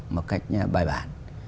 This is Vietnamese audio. một cách bài bản